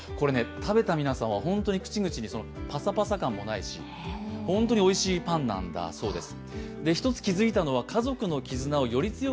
食べた皆さんは口々にパサパサ感もないし本当においしいパンなんだそうです。